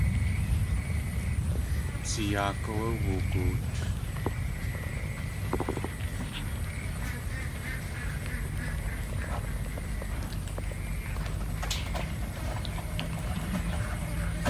Dziyáak áwé woogoot.